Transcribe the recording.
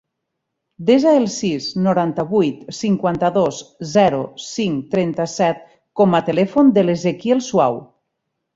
Desa el sis, noranta-vuit, cinquanta-dos, zero, cinc, trenta-set com a telèfon de l'Ezequiel Suau.